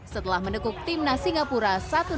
setelah menekuk timnas singapura satu